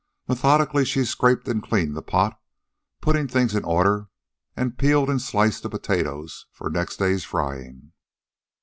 Methodically she scraped and cleaned the pot, put things in order, and peeled and sliced the potatoes for next day's frying.